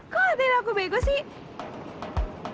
kok ngantiin aku bego sih